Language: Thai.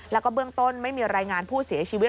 แล้วก็เบื้องต้นไม่มีรายงานผู้เสียชีวิต